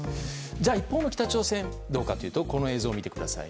じゃあ、一方の北朝鮮はどうかというとこの映像を見てください。